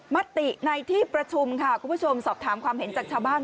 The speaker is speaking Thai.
มติในที่ประชุมค่ะคุณผู้ชมสอบถามความเห็นจากชาวบ้าน